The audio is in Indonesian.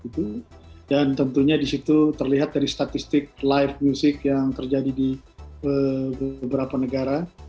dan tentunya di situ terlihat dari statistik live music yang terjadi di beberapa negara